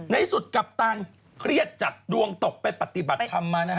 ในสุดกัปตันเครียดจัดดวงตกไปปฏิบัติธรรมมานะฮะ